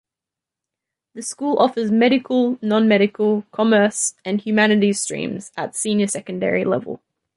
The school offers Medical, Non-medical, Commerce and Humanities streams at Senior Secondary level.